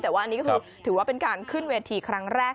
แต่ว่าอันนี้ก็คือถือว่าเป็นการขึ้นเวทีครั้งแรก